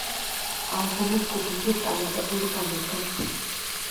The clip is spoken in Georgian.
ალბომი ჯგუფისთვის წარმატებული გამოდგა.